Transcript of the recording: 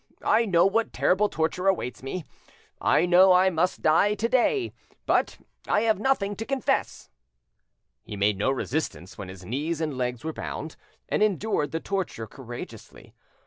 I know what terrible torture awaits me, I know I must die to day, but I have nothing to confess." He made no resistance when his knees and legs were bound, and endured the torture courageously.